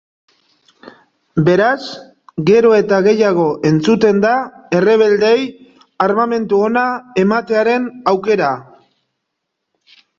Beraz, gero eta gehiago entzuten da errebeldei armamentu ona ematearen aukera.